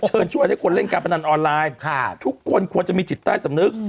เชิญชวนให้คนเล่นการพนันออนไลน์ทุกคนควรจะมีจิตใต้สำนึก